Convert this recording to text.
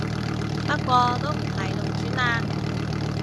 不過都唔係農村嘞